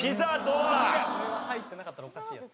これは入ってなかったらおかしいやつ。